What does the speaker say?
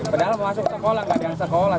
padahal masuk sekolah nggak ada yang sekolah